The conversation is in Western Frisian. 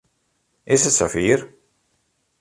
Is it fier?